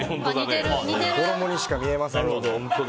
衣にしか見えませんね。